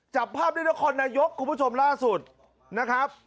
จับภาพด้วยฐมศาสนายกคุณผู้ชมล่าสุดนะครับ